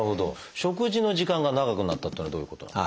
「食事の時間が長くなった」っていうのはどういうこと？